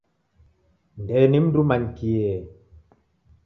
Ndee ni mndu umanyikie.